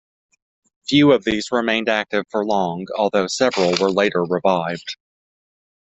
Few of these remained active for long, although several were later revived.